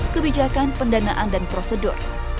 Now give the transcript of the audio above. kebijakan pendanaan dan prosedur